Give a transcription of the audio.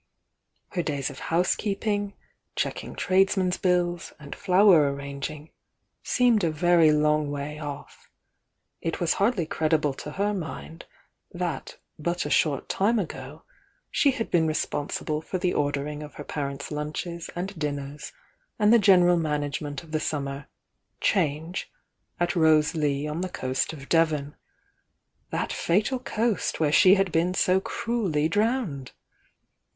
Her days of housekeeping, checking tradesmen's bills and flower arranging seemed a very long way off; it was hardly credible to her mind that but a short time ago she had been responsible for the ordering of her parents' lunches and dinners and the general management of the summer "change" at Rose Lea on the coast of Devon, — that fp^al coast where she had been so cruelly drowned!